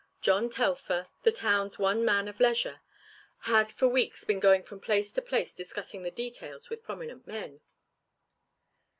John Telfer, the town's one man of leisure, had for weeks been going from place to place discussing the details with prominent men.